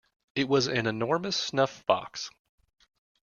It was an enormous snuff-box.